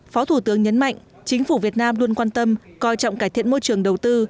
phó thủ tướng nhấn mạnh chính phủ việt nam luôn quan tâm coi trọng cải thiện môi trường đầu tư